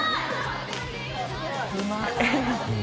うまい。